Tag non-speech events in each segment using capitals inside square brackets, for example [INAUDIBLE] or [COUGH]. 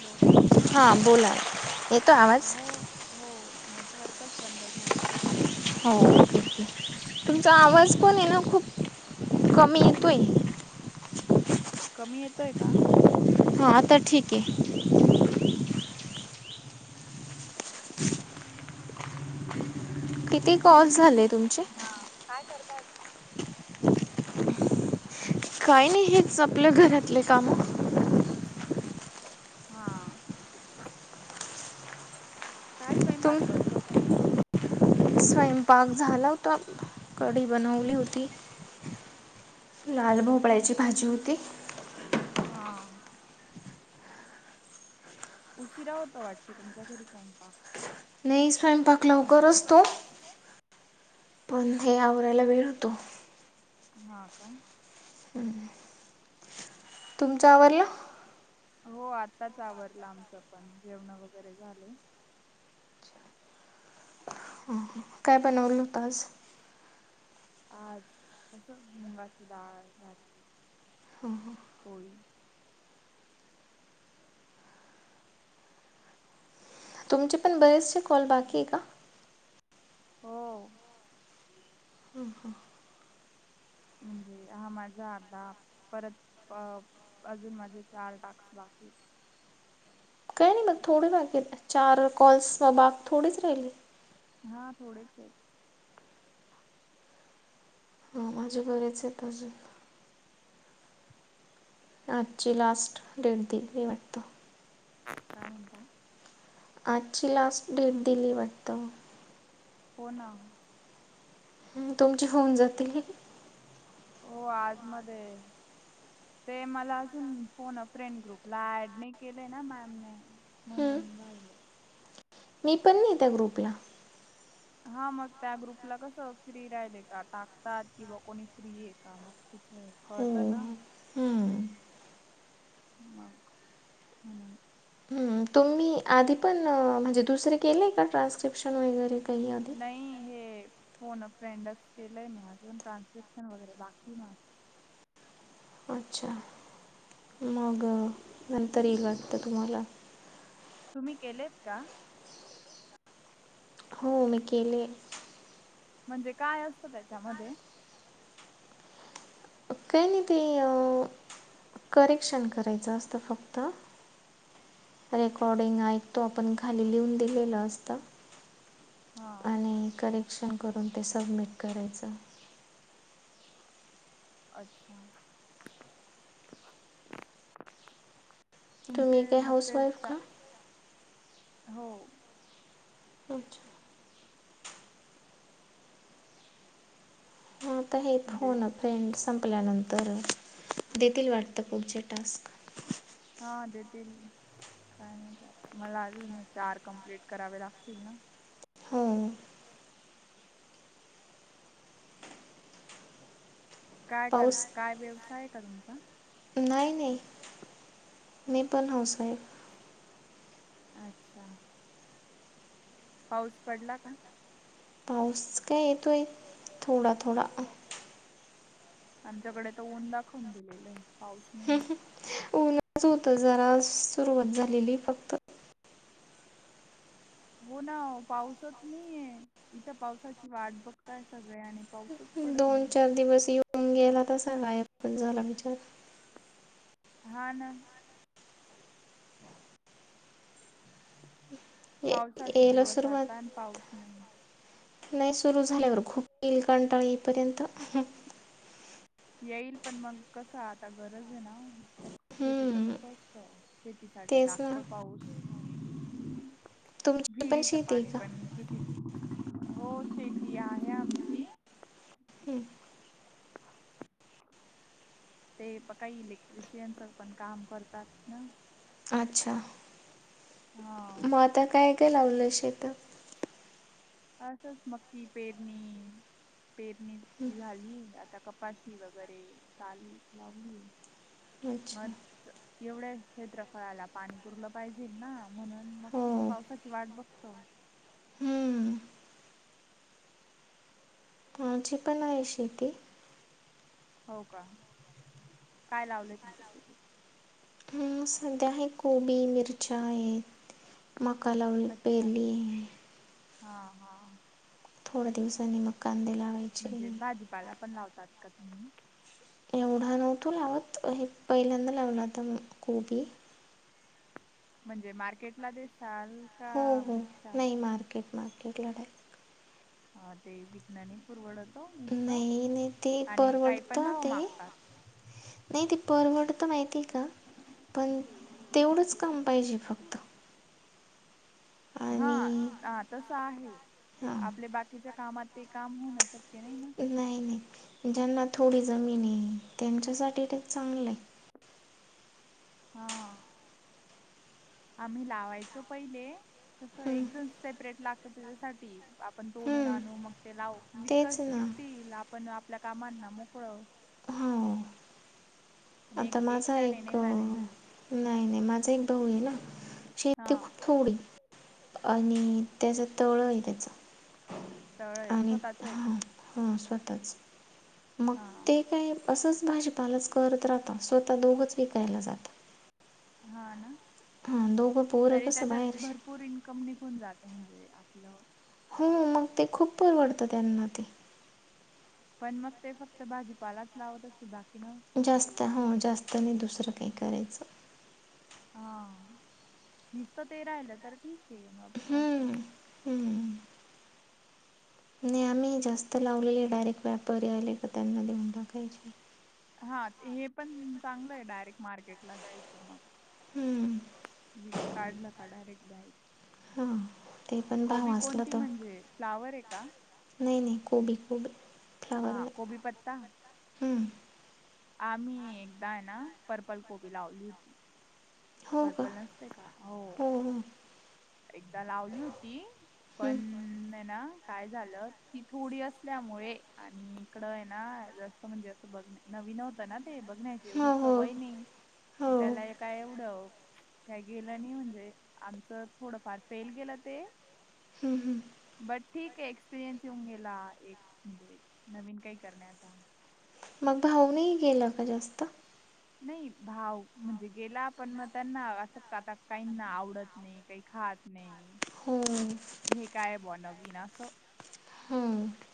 Hello हा बोला येतोय आवाज? अहो हो नेटवर्कच बंद झालं. हो ठीके. तुमचा आवाज पण आहे ना खूप कमी येतोय. कमी येतोय का? हा आता ठीक हा आहे तर ठीक आहे. [INAUDIBLE] किती कॉल्स झाले तुमचे? काय करताय ग? काही नाही हेच आपल्या घरातले काम. [UNINTELLIGIBLE] हा काय तुम स्वयंपाक करत होते? स्वयंपाक झाला होता. कढी बनवली होती, लाल भोबळ्याची भाजी होती. हा. उशिरा होत वाटतं तुमच्या घरी स्वयंपाक? नाही स्वयंपाक लवकर असतो पण हे आवरायला वेळ होतो. हा का? हम्. तुमचं आवरलं? हो आताच आवरला आमचं पण जेवण वगैरे झाले. काय बनवलं होत आज? आज कसं मुंगाची डाळ, भात. ह ह. होय. तुमचे पण बरेचसे कॉल बाकी आहे का? हो. हम हम. म्हणजे हा माझा आता परत अ अजून माझे चार टास्क बाकी आहे. मग थोडी बागे चार कॉल्स म बाग थोडीच राहिली. हा थोडेच आहेत. हो माझे बरेच आहे आजुन. आजची लास्ट डेट दिली आहे वाटतो. [UNINTELLIGIBLE] काय म्हणता. आजची लास्ट डेट दिली वाटतं? हो ना. तुमची होऊन जातील. हो आजमध्ये ते मला अजून फोन फ्रेंड ग्रुपला ऍड नाही केले ना मॅमने. म्हणून राहील आहे. मी पण नाही ते ग्रुपला. [UNINTELLIGIBLE] हा मग त्या ग्रुपला कस फ्री राहिलय का टाकतात कि ब कोणी फ्री आहे का मग. तिथ आहे कळतंय ना. हम्म. मग म्हणून. तुम्ही आधी पण म्हणजे दुसरे केलेय का ट्रान्स्क्रिप्शन वगैरे काही आधी? नाही हे फोन फ्रेंडच केलंय मी अजून ट्रान्स्क्रिप्शन वगैरे बाकी माझ. अच्छा मग नंतर येईल वाटतं तुम्हाला. तुम्ही केलेत का? हो मी केले. म्हणजे काय असतं त्याच्यामध्ये काय नाही ते करेक्शन करायचं असतं फक्त रेकॉर्डिंग ऐक तो आपण खाली लिहून दिलेलं असतं हा आणि करेक्शन करून ते सबमिट करायचं अच्छा तुमचे तुम्ही काय मग ते हाऊसवाईफ जा का हो अच्छा मग आता हे म्हणजे फोन फ्रेंड संपल्यानंतर देतील वाटतं खुढचे टास्क हा अ देेतिल काय मात मला अून चार कम्प्लीट करावे लागतील ना हो काय कर पाऊस काय व्यवसाय का तुमचा नाही नाही मी पण हाऊसवाईफ अच्छा पाऊस पडला का पाऊस काय येतीय थोडा थोडा आमच्याकडे त ऊन दाखवून दिलेलं आहे पाऊस नाही. नच होत जरा सुरुवात झालेली फक्त हो ना पाऊसच नाहीये इथं पावसाची वाट बघताय सगळे आणि पाऊसच पडत दोन नाही. चार दिवस येऊन गेला तर सांगाण झाला विचार हा ना ये पावसाचे यायला दिवस आता सुरुवात आणि पाऊस नाही नाही सुरू झाल्यावर खूप कलकंटाळा येईपर्यंत येईल पण मग कसं आता गरज आहे ना शेतीच हम्म, कसं असतं शेतीसाठीठी तेच ना लागतो पाऊशी तुमची पण विरीच शेती आहे पाणी का पण किती हो शेती आहे आमची हम्म ते प काही इलेक्ट्रिशियनच पण काम करतात ना अच्छा हा. मग आता काय काय लावलं शेेत आसच मकीी पेर्णी पेरणी झाली आता कपाशी वगैरे चाल लावली अच्छा मग एवढे क्षेत्रफळा आला पाणीपूरलं पाहिजे ना म्हणून मग हो तसं पावसाची वाट बघतो हम्म ह माझी पन आहे शेती हो का काय लावलंय तुमच्या शेतीत? सध्या हे कोबी मिरच्या आहेत मकालाव अच्छा पेली हा हा थोड्या दिवसांनी मग कांदे लावा म्हणजे भाजीपाला पण लावतात का तुम्ही एवढा नव्हतो लावत हे पहिल्यांदा लावला आता कोबी म्हणजे मार्केटला देसाल हो हो नाही मार्केट मार्केट लढाय हा ते विज्ञनी पुरवड होतो नाही नाही ते नसत आणि काही पण परवडतं भाव ते मागतात नाही ति परवड तर माहिती आहे का पण तेवढंच काम पाहिजे फक्त आणि हाा तस आहे हां आपले बाकी तिच्या कामात ते काम होणं शक्य नाही ना नाही नाही ज्यांना थोडी जमीन आहे त्यांच्यासाठी ते चांगलं आहे हा आम्ही लावायचो पहिले कसं हं एकजण सेपरेट लागत त्याच्यासाठी आपण तोडून हं आणू मग ते लावू विक तेच ना विकतील आपण आपल्या कामांना मोकळ हा आणि एक आता माझा एकट्याने एक नाही मॅनेज होत नाही, नाही माझा एक भाऊ आहे ना हा शेती ख थोडी आणि त्याचा तळ आहे त्याचा तळ आहे आणि स्वतःच आहे का हा ह स्वतःच मग हा ते काय असंच भाजीपालाच करत राहता स्वतः दोघंच विकायला जातं हा ना हां दोघं पोरं तरी कसं त्याच्यात बाहेर भरपू पूर इन्कम निघून जाते म्हणजे आपलं हो मग ते खूप परवडतं त्यांना ते पण मग ते फक्त भाजीपालाच लावत असतील बाकी ना लावत जास्त हो काही जास्त नाही दुसरं काही करायचं हा नसत ते राहिलं तर ठीक आहे मग असं हम्म, हम्म नाई जास्त लावले डायरेक्ट व्यापारी आले का त्यांना देऊन टाकायचे हा हे पण चांगलं आहे डायरेक्ट मार्केटला द्यायचं मग हम्म पिक काढलं का डायरेक्ट द्याल हां ते पण भाव कोबी असला कोणती तर म्हणजे फ्लावर आहे का? नाही, नाही कोबी, कोबी ह फ्लावर नाही कोबी पत्ता हम्म आम्ही एकदा आहे ना पर्पल कोबी लावली होती हो का पर्पल नसते का हो एकदा लावली होती हम्म, पण आहे ना काय झालं ती थोडी असल्यामुळे आणि इकड आहे ना जास्त म्हणजे असं बघ नवीन होत ना ते बघण्याची एवढी हो हो सवय नाही मग हो त्याला हम्म, काय एवडं काय गेलं नाही म्हणजे आमचं थोडंफार फेल गेलं ते ह, ह बर ठीक आहे एक्सपिरियन्स येऊन गेला एक म्हणजे नवीन काही करण्याचा मग भाव नई गेलं का जास्त नाही भाव म्हणजे गेला आपण मग त्यांनाता काहीना आवडत नाही, काही खात नाही हो हे काय बानवीन असं ह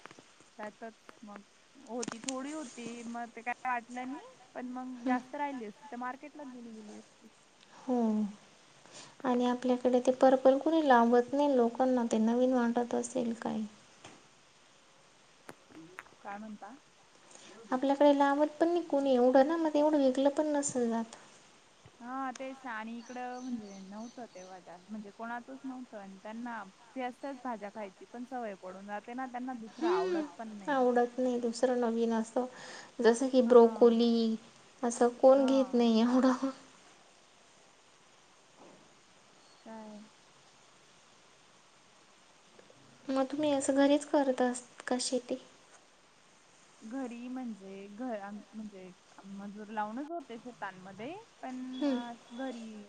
त्यातच मग होती थोडी होती मग ते काय वाटलं नाही पण मग जास्त राहिली असती तर मार्केटलाच दिली गेली असती हो आणि आपल्याकडे ते पर्पल कुणी लावत नाही लोकांना ते नवीन वाटत असेल काय काय म्हणता आपल्याकडे लावत पण नाही कोणी एवढं ना मग एवढं विकल पण नसल जात हा तेच आणि इकडं म्हणजे नव्हतं तेव्हाजा म्हणजे कोणातच नव्हतं आणि त्यांना ते असतेच भाज्या खायची पण सवय पडून जाते ना त्यांना दुसरं हं, आवडत पण नाही. आवडत नाही दुसरं नवीन अस जसं की हा ब्रोकोली असं कोण घेत हा नाही एवढं काय हा् मग तुम्ही असं घरीच करत असत का शेती. घरी म्हणजे घर आमचं म्हणजे. मजूर लावूनच होते शेतांमध्ये पण हं, घरी.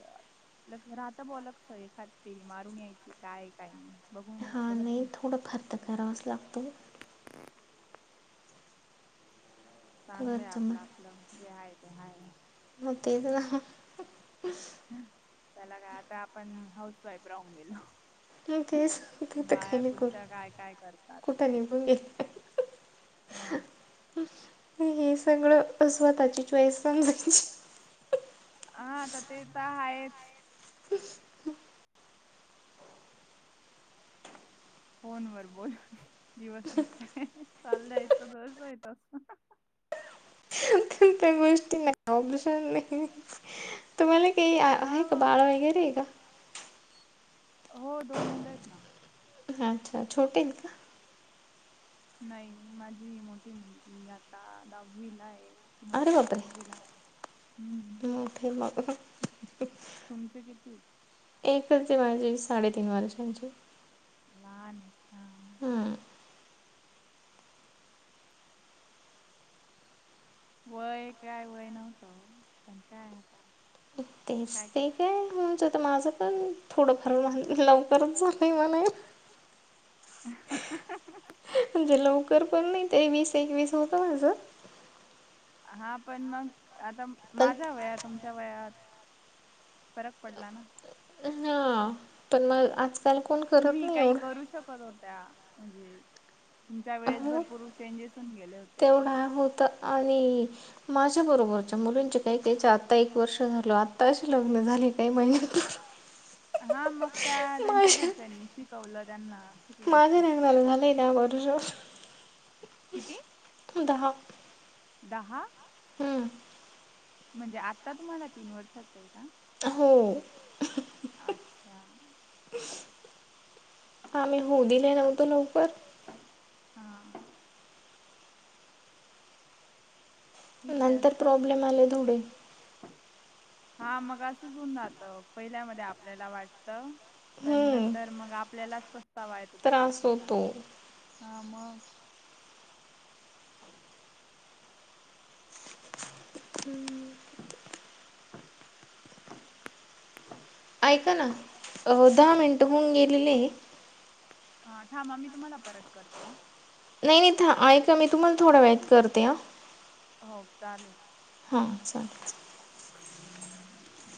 लग राहता बॉलाकस एखाद फेरी मारून यायची काय काय नाही बघून बघ ते थोडं फार तर करावाच लागतो. चांगलंय घरचं आपलं मग आपलं जे आहे ते हाय. मग तेच ना त्याला काय आता आपण हाऊस वाईफ राहून गेलो. नाही ते सांग तर काही बाया नाही कर कुठच्या काय काय करतात. कुठं निघून गेल. मग. हे सगळं स्वतःची चॉईस पण म्हण हा आता ते तर आहेच. फोन वर बोलून दिवस निघतय चालय तसच असत. त्यांगवेज. ते नाही ऑबलिशन नाही तुम्हाला काही हा आहे का मग बाळा वगैरे आहे का. हो दोन मुलं आहेत ना. अच्छा छोटेत आहेत का. नाही माझी मोठी मुलगी आता दहावीला आहे. आरे मुलगा बापरे सातवीला आहे. हम्म मोठी आहे मग. तुमचे किती. एकच आहे माझी साडेतीन वर्षांची. लहान आहे का. हम्म वय काय वय नव्हतं पण काय आता. तेच ते काय होऊन जातं तर माझं पण थोडंफार लवकरच झालं मणायच. हम्. म्हणजे लवकर पण नाही ते वीस एकवीस होत माझं. हा पण मग आता पण माझ्या वयात तुमच्या वयात. फरक पडला ना. [UNINTELLIGIBLE] पण मग आज. तुम्ही काही करू शकत होत्या. म्हणजे तुमच्या वेळेस हो भरपूर चेंजेस पण केले होते. तेवढा होत आणि. माझ्या बरोबरच्या मुलींचे काही काहीच्या आत्ता एक वर्ष झाल आत्ताशी लग्न झालेत. काय महिने पूर्वी. हा मग त्या त्यांच्या घरच्यांनी शिकवलं त्यांना. शिकले माझ असतील ते. झाला झालं द वष किती दहा. दहा. हम्म. म्हणजे आता तुम्हाला तीन वर्षाच आहे का. हो. अच्छा. आम्ही होऊ दिले नव्हतं लवकर. हा. ठीक आहे नंतर असतात. प्रॉब्लेम आले थोडे. हा मग असंच ऊन जात पहिल्या मधे आपल्याला वाटत. पण हम्म नंतर मग आपल्यालाच पस्तावा येतो त्या त्रास गोष्टीचा होतो हा मग. [INAUDIBLE] ऐका ना अ दहा मिनटं होऊन गेलेले आहे. हा थांबा मी तुम्हाला परत करतो. नाही नाही था ऐका मी तुम्हाला थोडा वेळात करते ह. हो चालेल. हां चालेल. [INAUDIBLE]